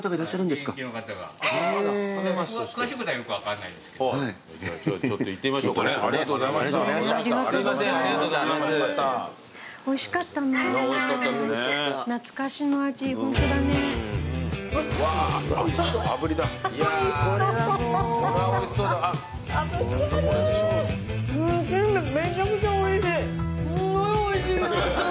すんごいおいしいよ。